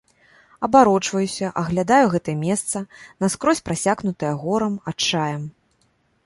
Абарочваюся, аглядаю гэта месца, наскрозь прасякнутае горам, адчаем.